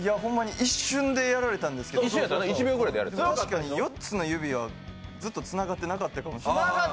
一瞬でやられたんですけど、確かに４つの指はずっとつながってなかったかもしれない。